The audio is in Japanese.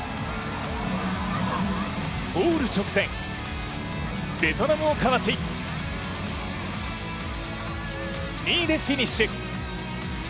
ゴール直前、ベトナムをかわし２位でフィニッシュ。